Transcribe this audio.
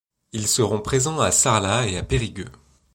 Ils seront présents à Sarlat et à Périgueux.